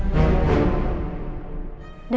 aku juga pengen dia